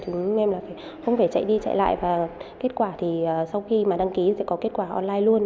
chúng em là không phải chạy đi chạy lại và kết quả thì sau khi mà đăng ký sẽ có kết quả online luôn